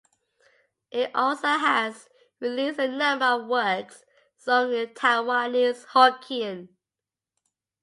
He also has released a number of works sung in Taiwanese Hokkien.